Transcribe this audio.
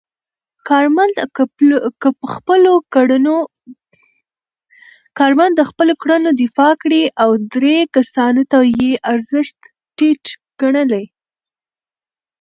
کارمل د خپلو کړنو دفاع کړې او درې کسانو ته یې ارزښت ټیټ ګڼلی.